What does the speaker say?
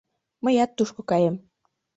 Мыят тушко каем.